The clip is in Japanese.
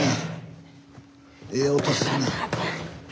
ええ音するね。